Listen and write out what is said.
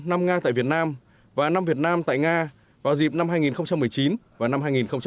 năm nga tại việt nam và năm việt nam tại nga vào dịp năm hai nghìn một mươi chín và năm hai nghìn hai mươi